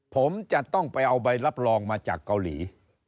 ผมจะต้องไปเอาใบรับรองมาจากเกาหลี